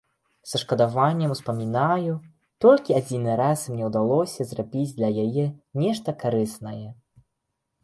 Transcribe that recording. Са шкадаваннем успамінаю, толькі адзіны раз мне ўдалося зрабіць для яе нешта карыснае.